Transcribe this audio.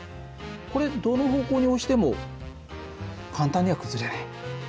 これどの方向に押しても簡単には崩れない。